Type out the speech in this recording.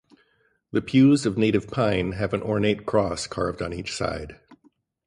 The pews of native pine have an ornate cross carved on each side.